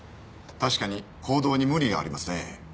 確かに行動に無理がありますね。